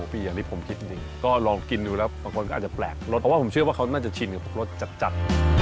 เพราะว่าผมเชื่อว่าเขาน่าจะชินกับรถจัด